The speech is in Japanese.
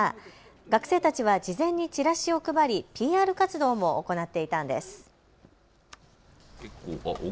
学生たちは事前にチラシを配りＰＲ活動も行っていたんです。